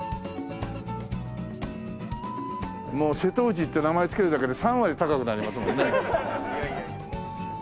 もう「瀬戸内」って名前つけるだけで３割高くなりますもんね。